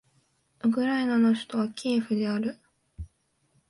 ウクライナの首都はキエフである